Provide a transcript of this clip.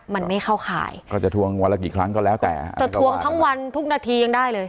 มันไม่เข้าข่ายก็จะทวงวันละกี่ครั้งก็แล้วแต่จะทวงทั้งวันทุกนาทียังได้เลย